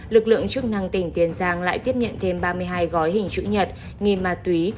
lực lượng chức năng tỉnh tiền giang lại tiếp nhận thêm ba mươi hai gói hình chữ nhật nghi ma túy